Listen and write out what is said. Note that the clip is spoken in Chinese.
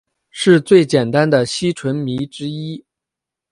是最简单的烯醇醚之一。